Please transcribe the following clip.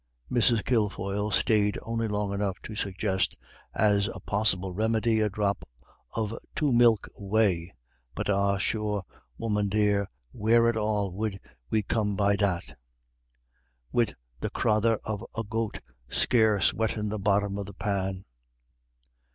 Mrs. Kilfoyle stayed only long enough to suggest, as a possible remedy, a drop of two milk whey. "But ah, sure, woman dear, where at all 'ud we come by that, wid the crathur of a goat scarce wettin' the bottom of the pan?"